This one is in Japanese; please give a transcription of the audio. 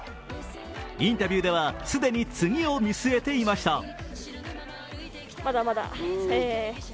インタビューでは、既に次を見据えていました。